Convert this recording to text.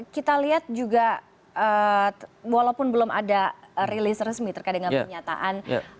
kita lihat juga walaupun belum ada rilis resmi terkait dengan pernyataan